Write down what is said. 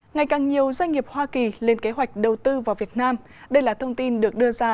ngày càng nhiều doanh nghiệp hoa kỳ lên kế hoạch đầu tư vào việt nam đây là thông tin được đưa ra